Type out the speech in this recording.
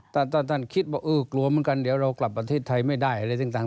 ถ้าท่านคิดว่าเออกลัวเหมือนกันเดี๋ยวเรากลับประเทศไทยไม่ได้อะไรต่าง